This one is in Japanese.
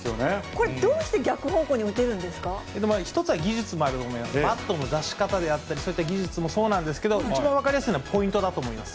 これ、どうして逆方向に打て一つは技術もありますし、バットの出し方であったりそういった技術もそうなんですけれども、一番分かりやすいのはポイントだと思います。